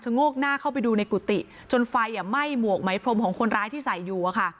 โงกหน้าเข้าไปดูในกุฏิจนไฟอ่ะไหม้หมวกไหมพรมของคนร้ายที่ใส่อยู่อะค่ะ